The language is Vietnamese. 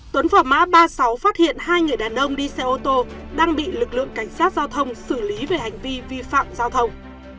tuấn phở mã ba mươi sáu phát hiện hai người đàn ông đi xe ô tô đang bị lực lượng cảnh sát giao thông xử lý về hành vi vi phạm giao thông